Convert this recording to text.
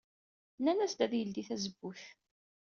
Nenna-as ad yeldey tazewwut.